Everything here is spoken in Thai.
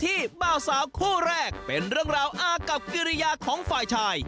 บ่าวสาวคู่แรกเป็นเรื่องราวอากับกิริยาของฝ่ายชาย